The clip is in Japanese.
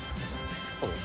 そうです。